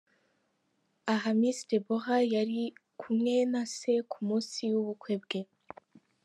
Aha Miss Deborah yari kumwe na se ku munsi w’ubukwe bwe.